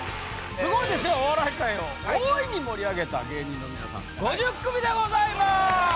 すごいでしょお笑い界を大いに盛り上げた芸人の皆さん５０組でございます！